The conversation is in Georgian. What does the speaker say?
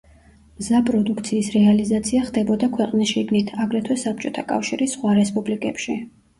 მზა პროდუქციის რეალიზაცია ხდებოდა ქვეყნის შიგნით, აგრეთვე საბჭოთა კავშირის სხვა რესპუბლიკებში.